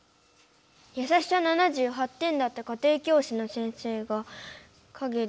やさしさ７８点だった家庭教師の先生がかげでわる口言ってて。